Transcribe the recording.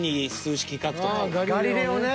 ああ「ガリレオ」ね。